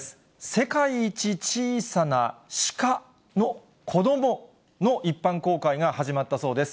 世界一小さなシカの子どもの一般公開が始まったそうです。